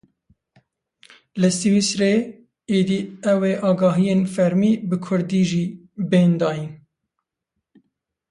Li Swîsreyê êdî ew ê agahiyên fermî bi kurdî jî bên dayîn.